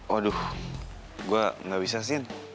waduh gue gak bisa sih